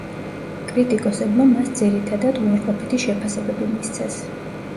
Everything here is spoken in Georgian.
კრიტიკოსებმა მას ძირითადად უარყოფითი შეფასებები მისცეს.